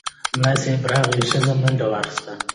ملا صیب راغی، ښځې منډه واخیسته.